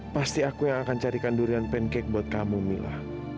pasti aku yang akan carikan durian pancake buat kamu mila